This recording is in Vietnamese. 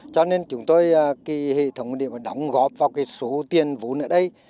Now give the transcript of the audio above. cho nên chúng tôi cái hệ thống để mà đóng góp vào cái số tiền vũ nữa đây